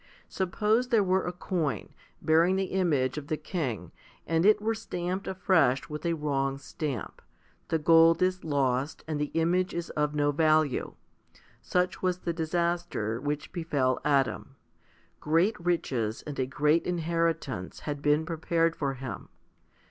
Suppose there were a coin, bearing the image of the king, and it were stamped afresh with a wrong stamp ; the gold is lost, and the image is of no value. Such was the disaster which befell Adam. Great riches and a great inheritance had been prepared for him.